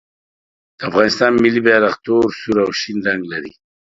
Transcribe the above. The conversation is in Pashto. د افغانستان ملي بیرغ تور، سور او شین رنګ لري.